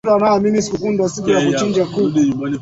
Kiingereza ni ngumu